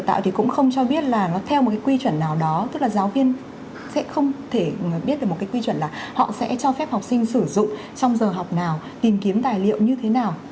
thì cũng không cho biết là nó theo một cái quy chuẩn nào đó tức là giáo viên sẽ không thể biết được một cái quy chuẩn là họ sẽ cho phép học sinh sử dụng trong giờ học nào tìm kiếm tài liệu như thế nào